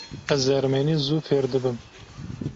Ez ermenî zû fêr dibim.